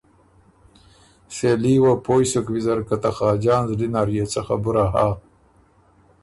سېلي وه پویٛ سُک ویزر که ته خاجان زلی نر يې څه خبُره هۀ۔